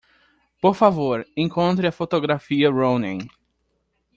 Por favor, encontre a fotografia Rounin.